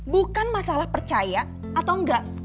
bukan masalah percaya atau enggak